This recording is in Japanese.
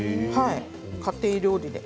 家庭料理で。